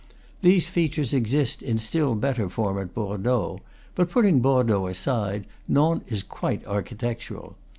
These features exist in still better form at Bordeaux; but, putting Bordeaux aside, Nantes is quite architectural.